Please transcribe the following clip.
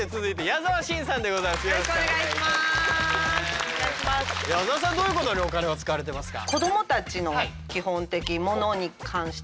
矢沢さんどういうことにお金を使われてますか？